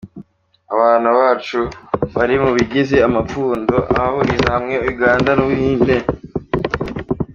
"Abantu bacu bari mu bigize amapfundo ahuriza hamwe Uganda n'Ubuhinde.